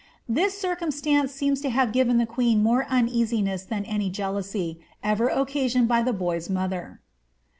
This circumstance seems to have given the queen more uneasiness than any jealousy ever occasioned by the boy's mother.